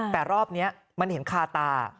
แต่รอบนี้มันเห็นคาตา